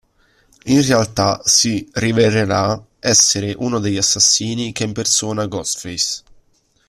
In realtà si rivelerà essere uno degli assassini che impersona Ghostface.